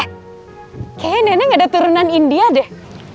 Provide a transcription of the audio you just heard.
eh kayaknya nenek ada turunan india deh